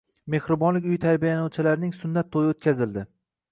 Mehribonlik uyi tarbiyalanuvchilarining sunnat to‘yi o‘tkazildi